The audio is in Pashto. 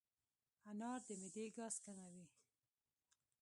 انار د معدې ګاز کموي.